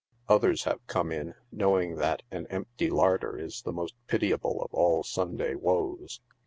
Others have come in, knowing that an empty larder is the most pitiable of all Sunday woes.